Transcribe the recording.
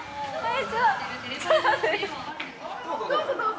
どうぞどうぞ。